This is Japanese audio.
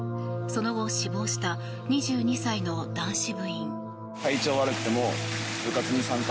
その後、死亡した２２歳の男子部員。